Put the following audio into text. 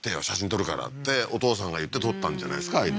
写真撮るからってお父さんが言って撮ったんじゃないですか？